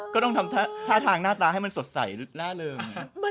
ก็ต้องทำท่าทางหน้าตาให้มันสดใสล่าเริง